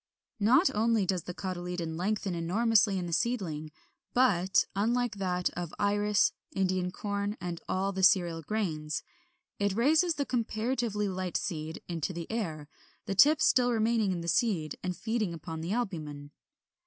Not only does the cotyledon lengthen enormously in the seedling, but (unlike that of Iris, Indian Corn, and all the cereal grains) it raises the comparatively light seed into the air, the tip still remaining in the seed and feeding upon the albumen.